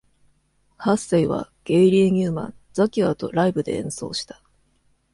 ハッセイは、ゲイリー・ニューマン、ザキュアーとライブで演奏した。